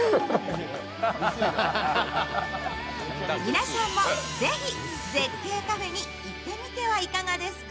皆さんも是非絶景カフェに行ってみてはいかがですか？